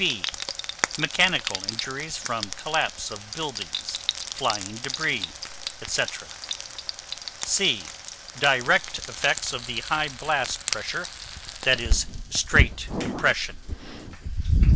B. Mechanical injuries from collapse of buildings, flying debris, etc. C. Direct effects of the high blast pressure, i.e., straight compression.